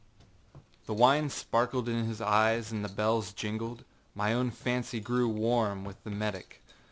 The wine sparkled in his eyes and the bells jingled. My own fancy grew warm with the Medoc.